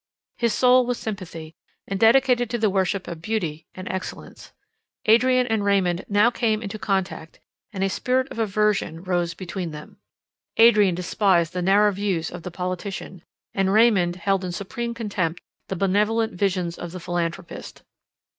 His soul was sympathy, and dedicated to the worship of beauty and excellence. Adrian and Raymond now came into contact, and a spirit of aversion rose between them. Adrian despised the narrow views of the politician, and Raymond held in supreme contempt the benevolent visions of the philanthropist.